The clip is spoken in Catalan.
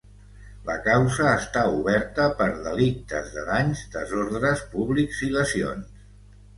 La causa està oberta per delictes de danys, desordres públics i lesions.